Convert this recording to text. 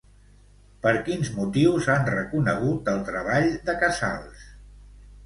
Per quins motius han reconegut el treball de Casals?